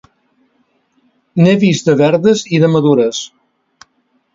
N'he vistes de verdes i de madures.